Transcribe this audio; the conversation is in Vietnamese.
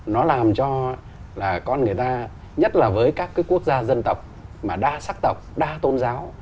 nó làm cho là con người ta nhất là với các cái quốc gia dân tộc mà đa sắc tộc đa tôn giáo